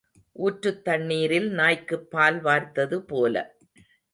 ஊற்றுத் தண்ணீரில் நாய்க்குப் பால் வார்த்தது போல.